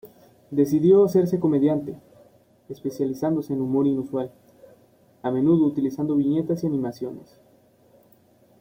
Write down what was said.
Decidió hacerse comediante, especializándose en humor inusual, a menudo utilizando viñetas y animaciones.